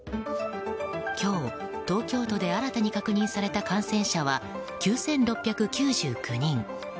今日、東京都で新たに確認された感染者は９６９９人。